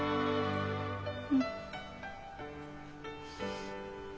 うん。